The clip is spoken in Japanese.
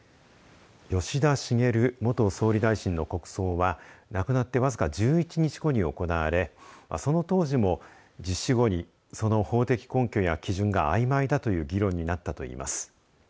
吉田茂元総理大臣の国葬は亡くなって僅か１１日後に行われその当時も実施後にその法的根拠や基準があいまいだという議論になったといいます。